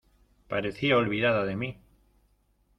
parecía olvidada de mí.